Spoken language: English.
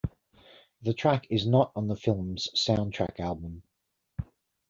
The track is not on the film's soundtrack album.